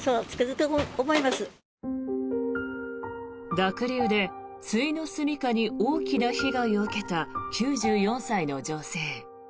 濁流でついの住み家に大きな被害を受けた９４歳の女性。